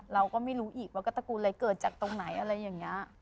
เราก็ไม่รู้อีกว่าก็ตระกูลอะไรเกิดจากตรงไหนอะไรอย่างนี้